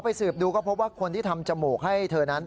สืบดูก็พบว่าคนที่ทำจมูกให้เธอนั้น